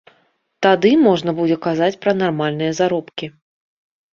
Тады можна будзе казаць пра нармальныя заробкі.